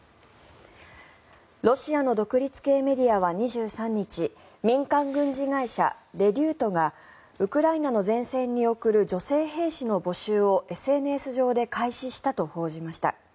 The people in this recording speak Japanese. ロシアの独立系メディアは２３日民間軍事会社レデュートがウクライナの前線に送る女性兵士の募集をＳＮＳ上で開始したと報じました。